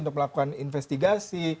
untuk melakukan investigasi